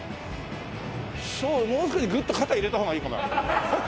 そうもう少しグッと肩入れた方がいいかな。